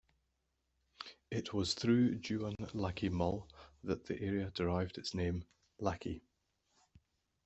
It was through Dewan Lakki Mull that the area derived its name 'Lakki'.